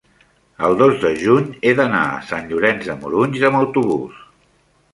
el dos de juny he d'anar a Sant Llorenç de Morunys amb autobús.